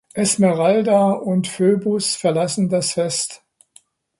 Esmeralda und Phoebus verlassen das Fest.